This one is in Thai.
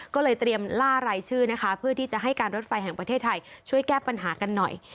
ก็เลยเตรียมล่ารายชื่อนะคะเพื่อที่จะให้การรถไฟแห่งประเทศไทยช่วยแก้ปัญหากันหน่อย